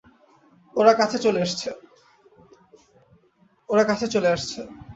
ওরা কাছে চলে আসছে।